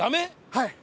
はい。